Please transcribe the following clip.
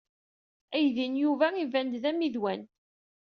Aydi n Yuba iban-d d ammidwan.